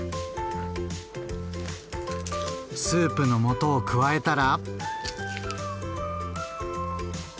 スープの素を加えたら。